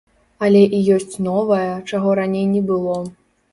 Але і ёсць новае, чаго раней не было.